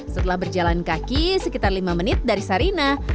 setelah berjalan kaki sekitar lima menit dari sarinah